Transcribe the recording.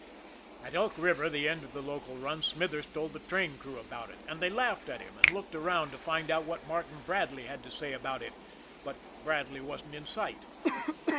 At Elk River, the end of the local run, Smithers told the train crew about it, and they laughed at him, and looked around to find out what Martin Bradley had to say about it but Bradley wasn't in sight.